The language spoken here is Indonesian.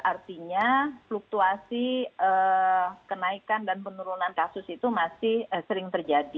artinya fluktuasi kenaikan dan penurunan kasus itu masih sering terjadi